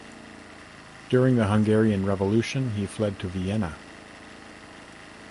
During the Hungarian Revolution, he fled to Vienna.